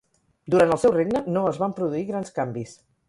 Durant el seu regne no es van produir grans canvis.